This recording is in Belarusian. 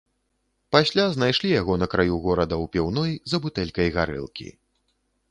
Пасля знайшлі яго на краю горада ў піўной за бутэлькай гарэлкі.